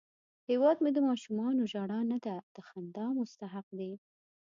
هیواد مې د ماشومانو ژړا نه، د خندا مستحق دی